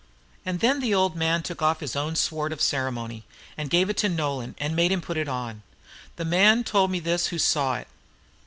And then the old man took off his own sword of ceremony, and gave it to Nolan, and made him put it on. The man told me this who saw it.